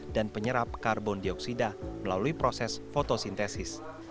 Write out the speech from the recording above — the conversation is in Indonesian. dan penyerap karbon dioksida melalui proses fotosintesis